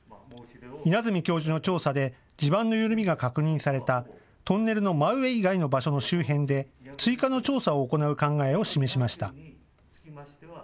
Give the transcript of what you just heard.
稲積教授の調査で地盤の緩みが確認されたトンネルの真上以外の場所の周辺で追加の調査を行う考えを示しました。